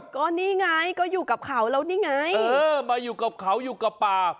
ก็นี่ไงก็อยู่กับเขาแล้วนี่ไงเออมาอยู่กับเขาอยู่กับป่า